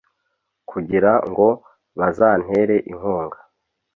kugira ngo bazantere inkunga